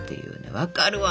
分かるわ。